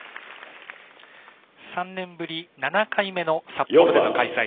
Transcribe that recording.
３年ぶり７回目の札幌での開催